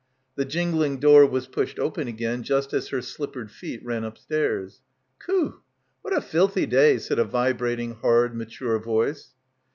The jing ling door was pushed open again just as her slip pered feet ran upstairs. "Khoo — what a filthy day!" said a vibrating hard mature voice.